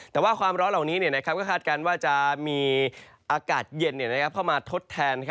แต่ว่าความร้อนเหล่านี้ก็คาดการณ์ว่าจะมีอากาศเย็นเข้ามาทดแทน